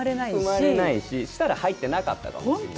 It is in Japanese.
生まれないししたら入ってなかったかもしれないし。